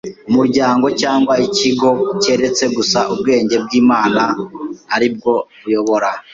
umuryango cyangwa ikigo keretse gusa ubwenge bw’Imana ari bwo buyobora.